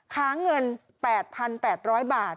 ค้าเงิน๘๘๐๐บาท